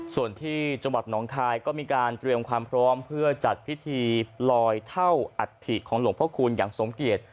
ส่วนที่จังหวัดหนองคายก็มีการเตรียมความพร้อมเพื่อจัดพิธีลอยเท่าอัฐิของหลวงพระคูณอย่างสมเกียจ